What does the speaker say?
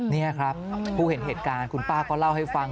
นี่ครับผู้เห็นเหตุการณ์คุณป้าก็เล่าให้ฟัง